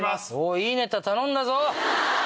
いいネタ頼んだぞ！